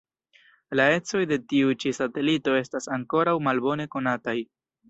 La ecoj de tiu-ĉi satelito estas ankoraŭ malbone konataj.